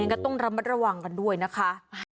ก็ต้องระมัดระวังกันด้วยนะคะ